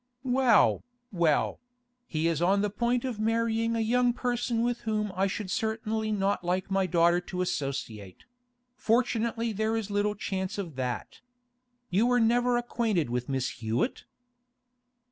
'Well, well; he is on the point of marrying a young person with whom I should certainly not like my daughter to associate—fortunately there is little chance of that. You were never acquainted with Miss Hewett?